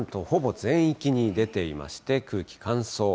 ほぼ全域に出ていまして、空気、乾燥。